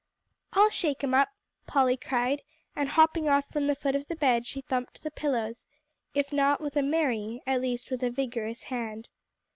"I'll shake 'em up," Polly cried; and hopping off from the foot of the bed, she thumped the pillows, if not with a merry, at least with a vigorous hand.